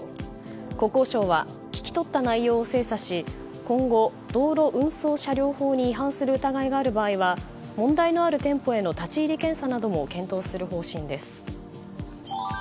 国交省は聞き取った内容を精査し今後、道路運送車両法に違反する疑いがある場合は問題のある店舗への立ち入り検査なども検討する方針です。